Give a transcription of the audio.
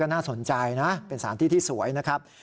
น่าสนใจนะเป็นสารที่ที่สวยนะครับ